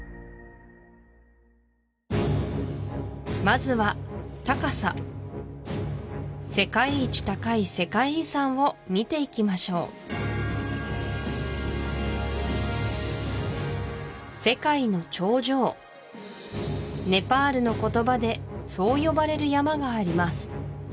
まずは高さ世界一高い世界遺産を見ていきましょう世界の頂上ネパールの言葉でそう呼ばれる山があります